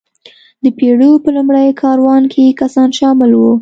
د بېړیو په لومړي کاروان کې کسان شامل وو.